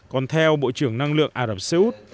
còn theo bộ trưởng năng lượng ả rập xê út